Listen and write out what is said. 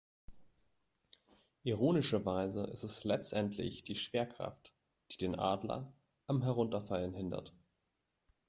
Ironischerweise ist es letztendlich die Schwerkraft, die den Adler am Herunterfallen hindert.